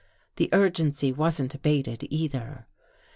The urgency wasn't abated either.